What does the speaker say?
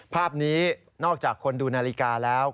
ภาพนี้นอกจากคนดูนาฬิกาแล้ว